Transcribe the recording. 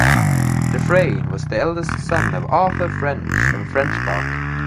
De Freyne was the eldest son of Arthur French, of Frenchpark.